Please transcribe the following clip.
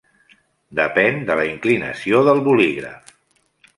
Depèn de la inclinació del bolígraf.